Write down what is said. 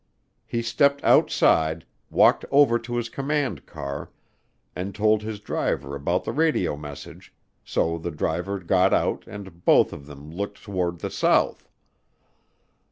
He stepped outside, walked over to his command car, and told his driver about the radio message, so the driver got out and both of them looked toward the south.